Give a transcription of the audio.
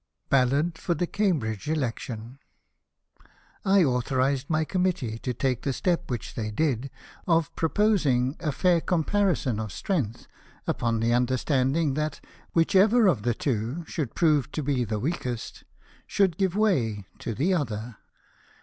BALLAD FOR THE CAMBRIDGE ELECTION '' I authorized my Committee to talce the step which they did, of proposing a fair comparison of strength, upon the under standing that whichever of the iivo should prove to be tJie weakest^ should give way to the other."